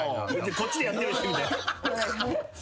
こっちでやってるみたいな。